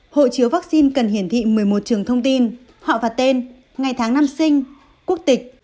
hộ chiếu vaccine cần hiển thị một mươi một trường thông tin họ và tên ngày tháng năm sinh quốc tịch